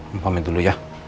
empamin dulu ya